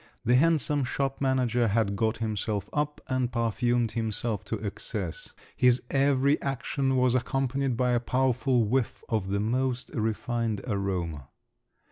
The handsome shop manager had got himself up and perfumed himself to excess: his every action was accompanied by a powerful whiff of the most refined aroma.